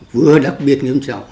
vừa đặc biệt nghiêm trọng